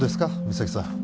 三咲さん